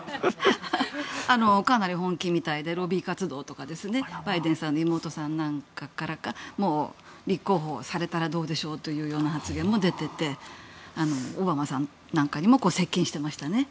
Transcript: かなり本気みたいでロビー活動とかバイデンさんの妹さんなんかから立候補されたらどうでしょう？という発言も出ていてオバマさんなんかにも接近していましたね。